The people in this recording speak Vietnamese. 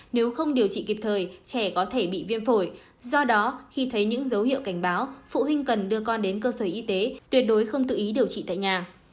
nếu không điều trị kịp thời trẻ có thể bị viêm phổi do đó khi thấy những dấu hiệu cảnh báo phụ huynh cần đưa con đến cơ sở y tế tuyệt đối không tự ý điều trị tại nhà